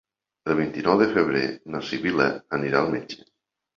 El vint-i-nou de febrer na Sibil·la anirà al metge.